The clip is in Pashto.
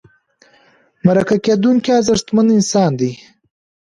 مرکه کېدونکی ارزښتمن انسان دی.